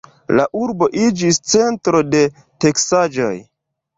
La urbo iĝis centro de teksaĵoj.